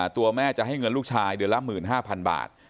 ตัวแม่จะให้เงินลูกชายเดือนละ๑๕๐๐๐บาท